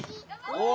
お。